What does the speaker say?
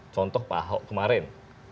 contoh pak ahok kemarin